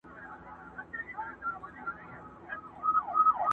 خو اختلاف لا هم شته ډېر،